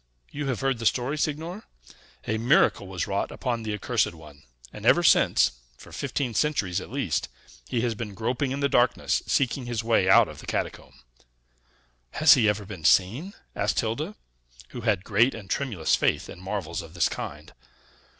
You have heard the story, signor? A miracle was wrought upon the accursed one; and, ever since (for fifteen centuries at least), he has been groping in the darkness, seeking his way out of the catacomb." "Has he ever been seen?" asked Hilda, who had great and tremulous faith in marvels of this kind.